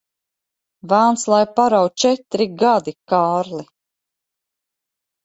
Velns lai parauj! Četri gadi, Kārli.